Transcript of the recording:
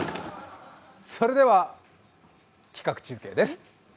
それでは企画中継です。